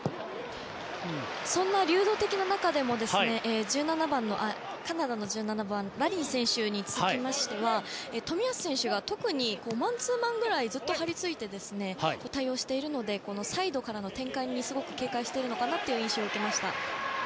そんな流動的な中でもカナダの１７番ラリー選手につきましては冨安選手が特にマンツーマンぐらいずっと張り付いて対応しているのでサイドからの展開にすごく警戒してるのかなという印象を受けました。